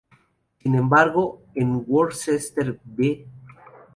Sin embargo, en "Worcester v.